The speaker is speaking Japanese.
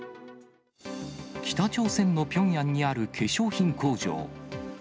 北朝鮮のピョンヤンにある化粧品工場。